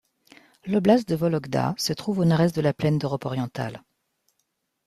L’oblast de Vologda se trouve au nord-est de la Plaine d'Europe orientale.